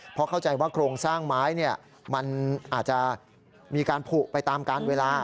เพราะเข้าใจว่าโครงสร้างไม้มันอาจจะมีการผูกไปตามการเวลา